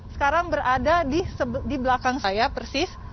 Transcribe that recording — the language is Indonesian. sekarang berada di belakang saya persis